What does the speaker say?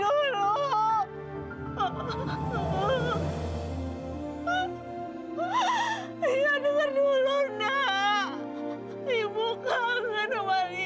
ibu kangen sama lia